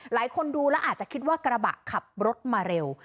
หลายคนดูแล้วอาจจะคิดว่ากระบะขับรถมาเร็ว